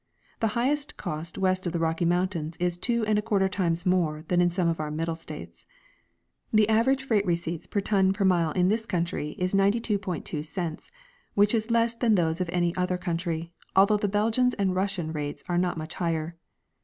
The highest cost west of the Rocky mountains is two and a quarter times more than in some of our middle states. The average freight receipts per ton per mile in this country is $0,922, which is less than those of any other country, although the Belgian and Rus sian rates are not much higher.